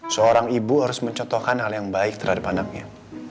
seorang ibu harus mencontohkan hal yang baik terhadap anaknya